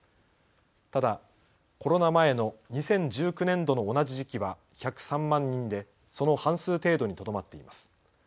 ただ、コロナ前の２０１９年度の同じ時期は１０３万人でその半数程度にとどまっています。